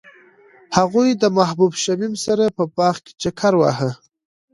هغوی د محبوب شمیم سره په باغ کې چکر وواهه.